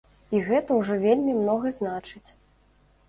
І гэта ўжо вельмі многа значыць.